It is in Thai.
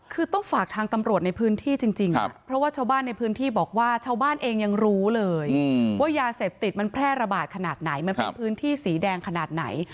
คือต้องฝากทางตำรวจในพื้นที่จริงเพราะว่าชาวบ้านในพื้นที่บอกว่าชาวบ้านเองยังรู้เลยว่ายาเสพติดมันแพร่ระบาดขนาดไหนมันเป็นพื้นที่สีแดงขนาดไหน